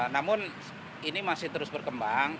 namun ini masih terus berkembang